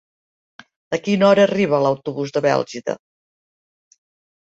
A quina hora arriba l'autobús de Bèlgida?